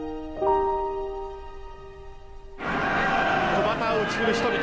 小旗を打ち振る人々。